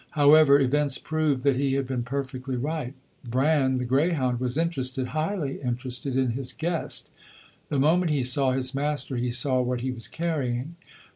However, events proved that he had been perfectly right. Bran, the greyhound, was interested, highly interested in his guest. The moment he saw his master he saw what he was carrying.